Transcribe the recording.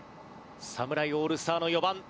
侍オールスターの４番村上。